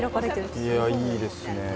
いやいいですね。